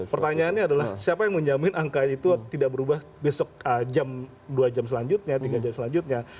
pertanyaannya adalah siapa yang menjamin angka itu tidak berubah besok jam dua jam selanjutnya tiga jam selanjutnya